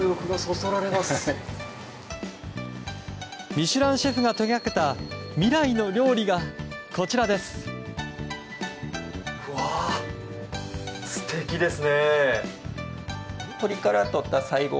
「ミシュラン」シェフが手掛けた未来の料理が、こちらです。